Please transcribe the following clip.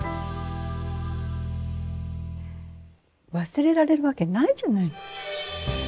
忘れられるわけないじゃないの。